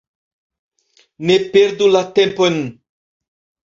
Ne perdu la tempon!